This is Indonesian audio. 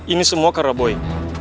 ini semua karena boy